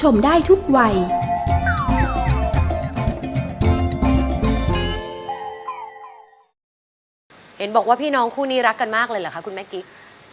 เห็นบอกว่าพี่น้องคู่นี้รักกันมากเลยเหรอคะคุณแม่กิ๊ก